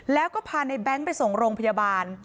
แล้วก็พาในแบงค์ไปส่งโรงพยาบาล